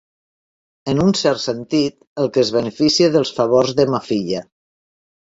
En un cert sentit, el que es beneficia dels favors de ma filla.